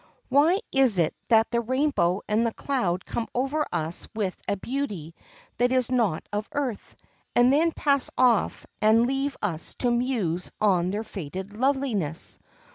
Why is it that the rainbow and the cloud come over us with a beauty that is not of earth, and then pass off and leave us to muse on their faded loveliness?